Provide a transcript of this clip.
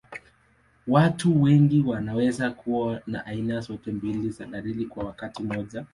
Watu wengine wanaweza kuwa na aina zote mbili za dalili kwa wakati mmoja.